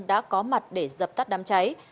đã có mặt để dập tắt đám cháy